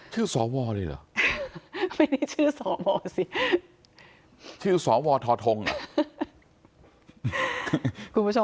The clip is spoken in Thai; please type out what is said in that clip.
ชื่อสอวอล์เลยเหรอ